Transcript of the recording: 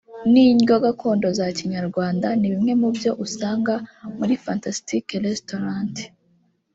n’indyo gakondo za Kinyarwanda ni bimwe mu byo usanga muri Fantastic restaurant